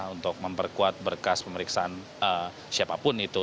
untuk memperkuat berkas pemeriksaan siapapun itu